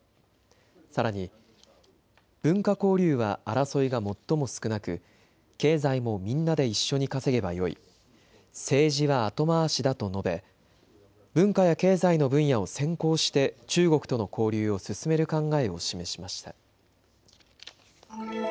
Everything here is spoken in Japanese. さらに文化交流は争いが最も少なく経済もみんなで一緒に稼げばよい、政治は後回しだと述べ文化や経済の分野を先行して中国との交流を進める考えを示しました。